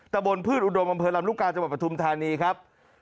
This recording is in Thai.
ตะบนพืชอุดมอำเภอลำลูกกาจังหวัดปทุมธานีครับ